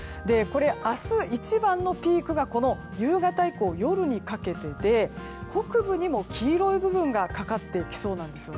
明日一番のピークが夕方以降、夜にかけてで北部にも黄色い部分がかかってきそうなんです。